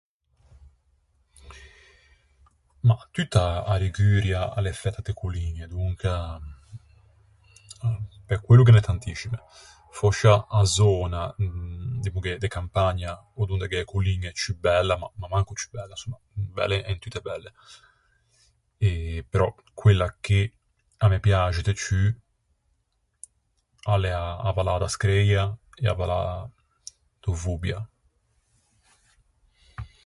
Ma, tutta a Liguria a l'é fæta de colliñe, donca... pe quello ghe n'é tantiscime. Fòscia a zöna, dimmoghe de campagna ò donde gh'é e colliñe ciù belle, ma ma manco ciù belle, insomma, belle en tutte belle, e però quella che a me piaxe de ciù a l'é a, a vallâ da Screia, e a vallâ do Vobbia.